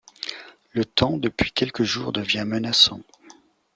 Le temps depuis quelques jours devient menaçant.